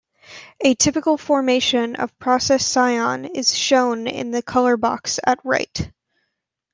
A typical formulation of "process cyan" is shown in the color box at right.